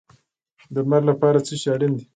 د لمر لپاره څه شی اړین دی؟